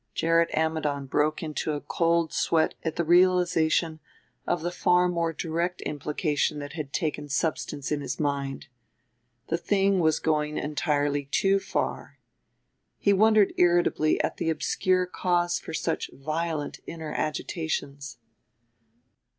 Gerrit Ammidon broke into a cold sweat at the realization of the far more direct implication that had taken substance in his mind. The thing was going entirely too far! He wondered irritably at the obscure cause for such violent inner agitations.